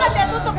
udah tutup ya